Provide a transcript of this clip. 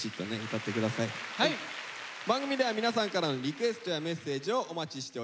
番組では皆さんからのリクエストやメッセージをお待ちしております。